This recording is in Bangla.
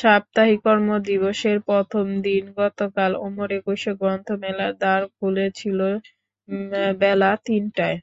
সাপ্তাহিক কর্মদিবসের প্রথম দিন গতকাল অমর একুশে গ্রন্থমেলার দ্বার খুলেছিল বেলা তিনটায়।